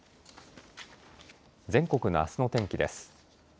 全国のあすの天気です。